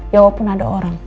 ya walaupun ada orang